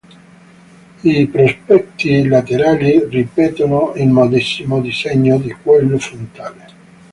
I prospetti laterali ripetono il medesimo disegno di quello frontale.